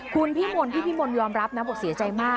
คุณพี่มนต์พี่พี่มนต์ยอมรับนะบอกเสียใจมาก